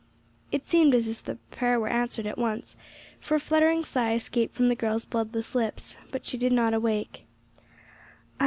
It seemed as if the prayer were answered at once, for a fluttering sigh escaped from the girl's bloodless lips, but she did not awake.